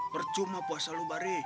percuma puasa lo bari